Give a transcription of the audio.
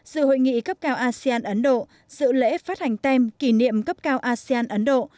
dự hội nghị cấp cao asean ấn độ dự lễ phát hành tem kỷ niệm cấp cao asean ấn độ